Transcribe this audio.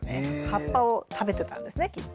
葉っぱを食べてたんですねきっと。